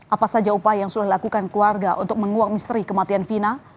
apa saja upaya yang sudah dilakukan keluarga untuk menguang misteri kematian fina